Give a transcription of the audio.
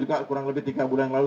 kurang lebih tiga bulan yang lalu